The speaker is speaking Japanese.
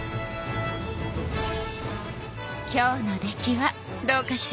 今日の出来はどうかしら？